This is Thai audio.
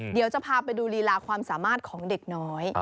เดี๋ยวจะพาไปดูลีลาความสามารถของเด็กน้อย